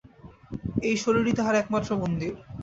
এই শরীরই তাঁহার একমাত্র মন্দির।